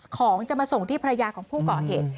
ของจะมาส่งที่ภรรยาของผู้ก่อเหตุ